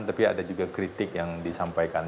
tapi ada juga kritik yang disampaikan